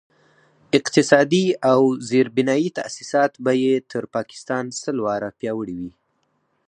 اقتصادي او زیربنایي تاسیسات به یې تر پاکستان سل واره پیاوړي وي.